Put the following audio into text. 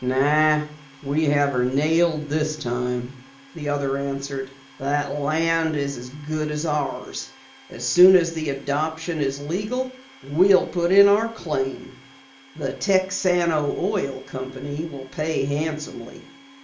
"No, we have her nailed this time," the other answered. "That land is as good as ours! As soon as the adoption is legal, we'll put in our claim. The Texano Oil Company will pay handsomely.